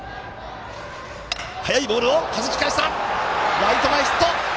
ライト前ヒット！